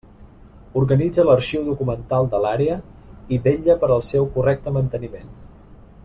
Organitza l'arxiu documental de l'Àrea i vetlla per al seu correcte manteniment.